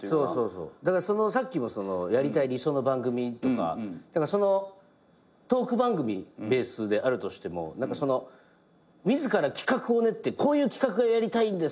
だからさっきもやりたい理想の番組とかそのトーク番組ベースであるとしても自ら企画を練ってこういう企画がやりたいんです